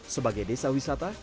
sebagai desa wisata